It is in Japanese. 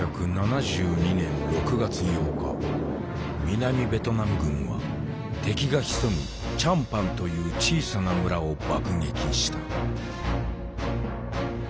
南ベトナム軍は敵が潜むチャンパンという小さな村を爆撃した。